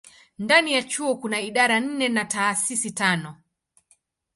Ndani ya chuo kuna idara nne na taasisi tano.